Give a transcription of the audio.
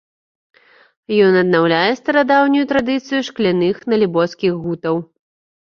Ён аднаўляе старадаўнюю традыцыю шкляных налібоцкіх гутаў.